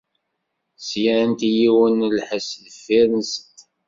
Slant i yiwen n lḥess deffir-sent.